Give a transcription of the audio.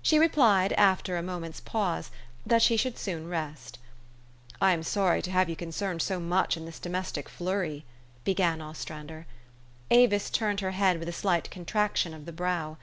She replied, after a moment's pause, that she should soon rest. "I am sorry to have you concerned so much in this domestic flurry, '' began Ostrander. Avis turned her head with a slight contraction of the brow.